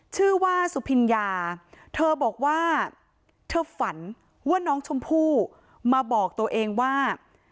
ชื่อว่าสุพิญญาเธอบอกว่าเธอฝันว่าน้องชมพู่มาบอกตัวเองว่า